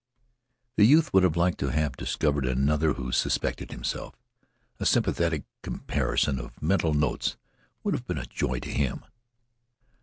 The youth would have liked to have discovered another who suspected himself. A sympathetic comparison of mental notes would have been a joy to him.